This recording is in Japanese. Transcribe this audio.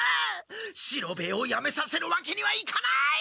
四郎兵衛をやめさせるわけにはいかない！